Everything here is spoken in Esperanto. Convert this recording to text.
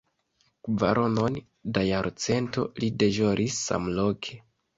Kvaronon da jarcento li deĵoris samloke.